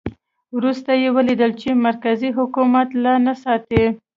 وروسته یې ولیدل چې مرکزي حکومت لاري نه ساتي.